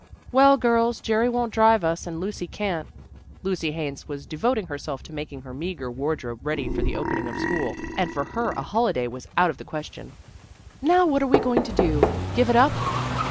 "Well, girls, Jerry won't drive us and Lucy can't." Lucy Haines was devoting herself to making her meagre wardrobe ready for the opening of school, and for her a holiday was out of the question. "Now, what are we going to do? Give it up?"